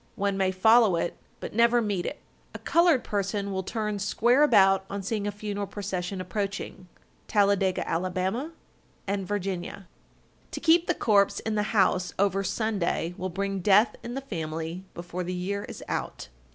One may follow it, but never meet it. A colored person will turn square about on seeing a funeral procession approaching. Talladega, Ala., and Virginia. 1261. To keep the corpse in the house over Sunday will bring death in the family before the year is out.